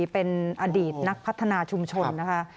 เป็นอดีตนักพัฒนาชุมชนนะคะ